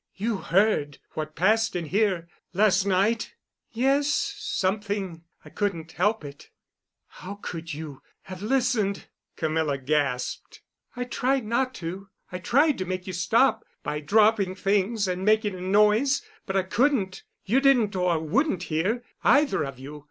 "You heard what passed in here—last night?" "Yes—something—I couldn't help it." "How could you—have listened?" Camilla gasped. "I tried not to—I tried to make you stop—by dropping things and making a noise, but I couldn't. You didn't or wouldn't hear—either of you.